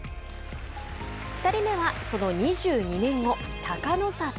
２人目は、その２２年後隆の里。